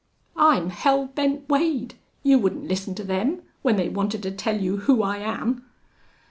"I'm Hell Bent Wade!... You wouldn't listen to them when they wanted to tell you who I am!"